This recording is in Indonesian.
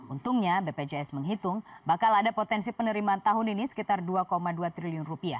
untungnya bpjs menghitung bakal ada potensi penerimaan tahun ini sekitar rp dua dua triliun